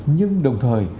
nhưng đồng thời